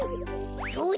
そうだ！